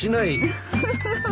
ウフフフ。